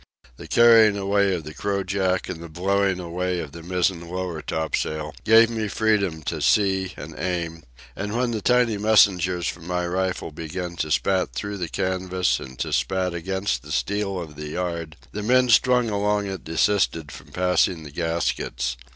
The carrying away of the crojack and the blowing away of the mizzen lower topsail gave me freedom to see and aim, and when the tiny messengers from my rifle began to spat through the canvas and to spat against the steel of the yard, the men strung along it desisted from passing the gaskets.